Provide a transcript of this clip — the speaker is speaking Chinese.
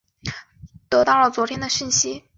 得到了昨天的讯息